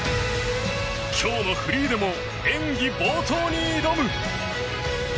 今日のフリーでも演技冒頭に挑む！